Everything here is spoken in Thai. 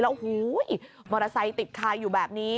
แล้วโห้ยยยยยยยมอเตอร์ไซติดคร้ายอยู่แบบนี้